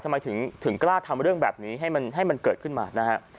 ทำไมถึงกล้าทำเรื่องแบบนี้ให้มันเกิดขึ้นมานะฮะ